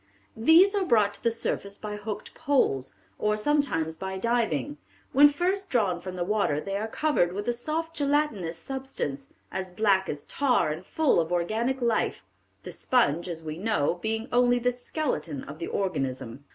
"These are brought to the surface by hooked poles, or sometimes by diving. When first drawn from the water they are covered with a soft gelatinous substance, as black as tar and full of organic life, the sponge, as we know, being only the skeleton of the organism."